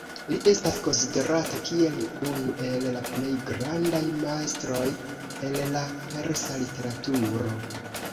Li estas konsiderata kiel unu el la plej grandaj majstroj el la persa literaturo.